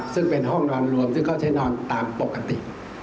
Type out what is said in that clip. ซึ่งเป็นห้องนอนรวมที่เขาใช้นอนตามปกติ